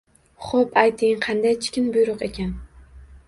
— Xo‘p, ayting, qandaychikin buyruq ekan?